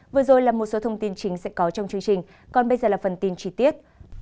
vừa rồi là một số thông tin chính sẽ có trong chương trình còn bây giờ là phần tin chi tiết